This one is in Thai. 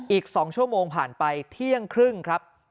อีก๒ชั่วโมงผ่านไปเที่ยงครึ่งครับ